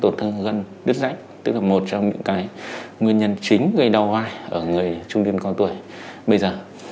tổn thương gân đứt rách tức là một trong những nguyên nhân chính gây đau vai ở người trung niên con tuổi bây giờ